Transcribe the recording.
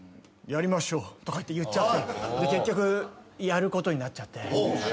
やりましょう。とかって言っちゃってで結局やることになっちゃって。